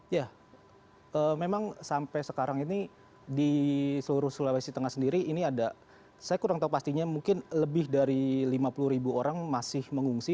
ya memang sampai sekarang ini di seluruh sulawesi tengah sendiri ini ada saya kurang tahu pastinya mungkin lebih dari lima puluh ribu orang masih mengungsi